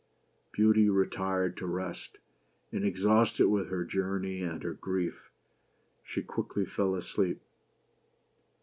Beauty retired to rest ; and exhausted with her journey and her grief, she quickly fell asleep.